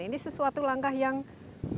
ini sesuatu langkah yang